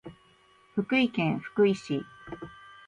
福井県福井市